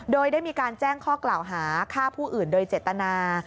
โดยได้มีการแจ้งข้อกล่าวหาฆ่าผู้อื่นโดยเจตนา